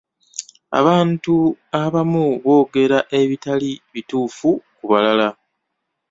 Abantu abamu boogera ebitali bituufu ku balala.